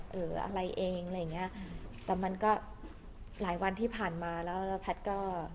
หรืออะไรเองอะไรอย่างเงี้ยแต่มันก็หลายวันที่ผ่านมาแล้วแล้วแพทย์ก็